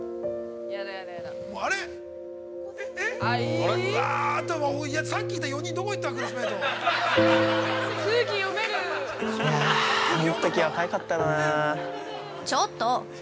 あのときはかわいかったよな。